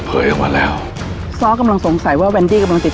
เข้าอะไรเข้าอะไรไม่แค่รถร่างหลัก